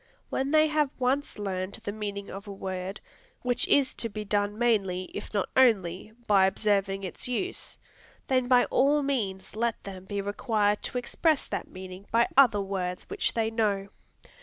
When they have once learned the meaning of a word, which is to be done mainly, if not only, by observing its use, then by all means let them be required to express that meaning by other words which they know.